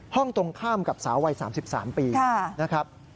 ตรงข้ามกับสาววัย๓๓ปีนะครับ